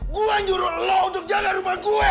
gue yang jurut lo untuk jaga rumah gue